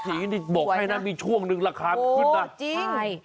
สีนี่บอกให้น่ะมีช่วงนึงราคาขึ้นน่ะโอ้จริงใช่